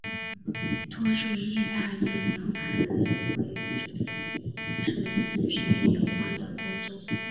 多数义大利的埃及人恢从事与食物有关的工作。